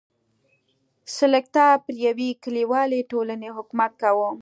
سلکتا پر یوې کلیوالې ټولنې حکومت کاوه.